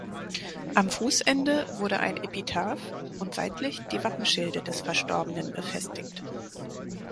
Am Fußende wurde ein Epitaph und seitlich die Wappenschilde des Verstorbenen befestigt.